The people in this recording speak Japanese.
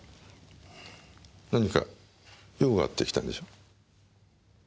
何か用があって来たんでしょ？